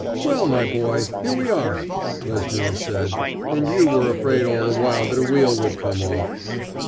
'Well, my boy, here we are,' Lezhnyov said, 'and you were afraid all the while that a wheel would come off.